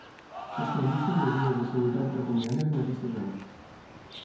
S'estableixen mesures de seguretat draconianes en aquesta zona.